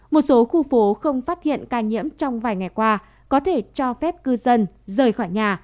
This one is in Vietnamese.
một số khu phố không phát hiện ca nhiễm trong vài ngày qua có thể cho phép cư dân rời khỏi nhà